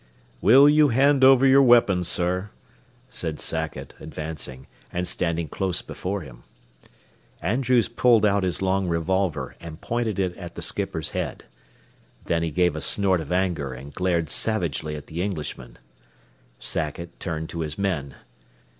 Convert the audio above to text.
"Will you hand over your weapon, sir?" said Sackett, advancing, and standing close before him. Andrews pulled out his long revolver and pointed it at the skipper's head. Then he gave a snort of anger and glared savagely at the Englishman. Sackett turned to his men.